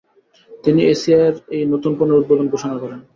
তিনি এসিআইয়ের এই নতুন পণ্যের উদ্বোধন ঘোষণা করেন।